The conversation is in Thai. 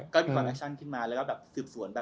ก็มีความแอคชั่นขึ้นมาแล้วก็สืบสวนนักเลย